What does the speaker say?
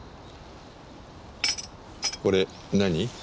これ何？